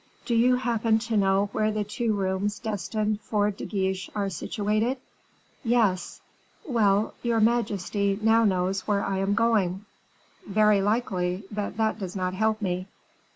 "Do you happen to know where the two rooms destined for De Guiche are situated?" "Yes." "Well, your majesty now knows where I am going." "Very likely; but that does not help me."